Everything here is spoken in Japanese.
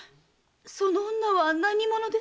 その女は何者ですか？